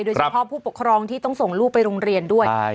โดยเฉพาะผู้ปกครองที่ต้องส่งลูกไปโรงเรียนด้วย